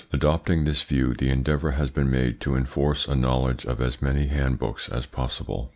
Adopting this view, the endeavour has been made to enforce a knowledge of as many hand books as possible.